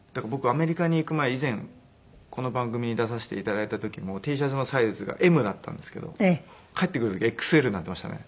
アメリカに行く前以前この番組に出させて頂いた時もＴシャツのサイズがＭだったんですけど帰ってくる時ＸＬになってましたね。